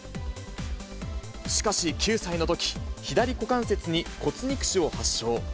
しかし９歳のとき、左股関節に骨肉腫を発症。